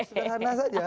sudah sana saja